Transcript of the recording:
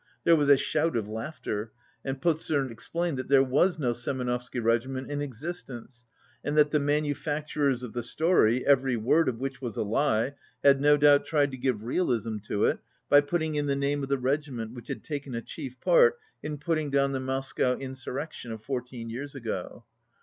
There was a shout of laughter, and Pozern explained that there was no Semenovsky regiment in exist ence, and that the manufacturers of the story, every word of which was a lie, had no doubt tried to give realism to it by putting in the name of the regiment which had taken a chief part in put ting dow^n the Moscow insurrection of fourteen years ago.